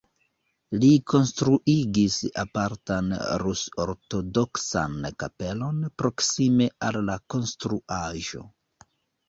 Li konstruigis apartan rus-ortodoksan kapelon proksime al la konstruaĵo.